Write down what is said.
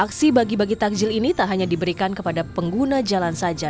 aksi bagi bagi takjil ini tak hanya diberikan kepada pengguna jalan saja